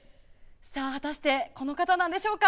果たしてこの方なんでしょうか。